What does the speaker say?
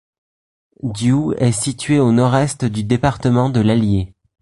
Diou est située au nord-est du département de l'Allier.